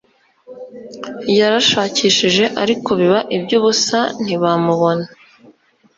Barashakishije ariko biba ibyubusa ntibamubona